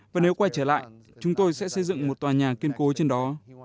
và nếu quay trở lại chúng tôi sẽ xây dựng một tòa nhà kiên cố trên đó